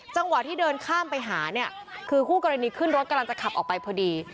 จังหวะที่เดินข้ามไปหาเนี่ยคือคู่กรณีขึ้นรถกำลังจะขับออกไปพอดี